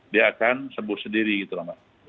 dia akan sembuh sendiri gitu pak